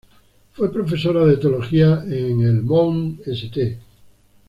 Fue profesora de Teología en el Mount St.